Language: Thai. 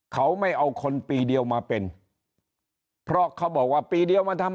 เขาไม่เอาคนปีเดียวมาเป็นเพราะเขาบอกว่าปีเดียวมันทำ